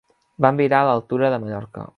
Van virar a l'altura de Mallorca.